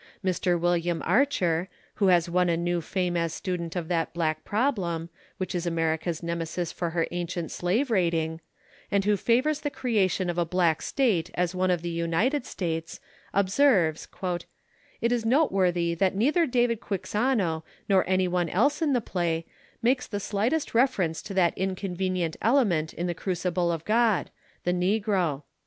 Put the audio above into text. Mr. William Archer, who has won a new fame as student of that black problem, which is America's nemesis for her ancient slave raiding, and who favours the creation of a Black State as one of the United States, observes: "It is noteworthy that neither David Quixano nor anyone else in the play makes the slightest reference to that inconvenient element in the crucible of God the negro."